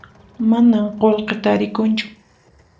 Manan qullqi tarikunchu